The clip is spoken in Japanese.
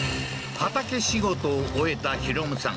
畑仕事を終えた弘さん